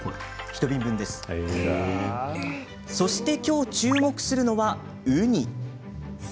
そして、きょう注目するのはウニ。